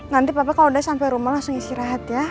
nanti papa kalau udah sampai rumah langsung istirahat ya